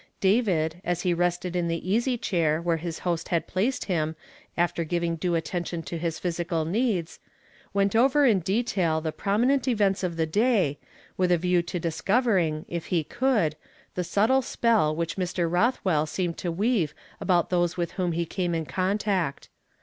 David, as he rested in the easy chair where his host had placed him after giving due attention to his phys ical needs, went over in detail the prominent events of the day, with a view to discovering, if he could, the subtl. s^,ell which ^Ir. Roth well seemed to weave about those with whom he came in contact.